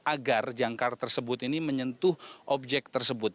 agar jangkar tersebut ini menyentuh objek tersebut